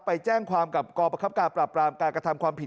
ไปแจ้งความกับกรประคับการปราบรามการกระทำความผิด